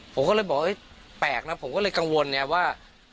ผมก็เลยบอกแปลกนะผมก็เลยกังวลไงว่า